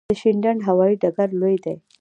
د شینډنډ هوايي ډګر لوی دی